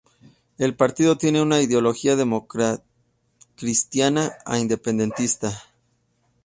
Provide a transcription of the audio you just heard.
El partido tiene una ideología democristiana e independentista.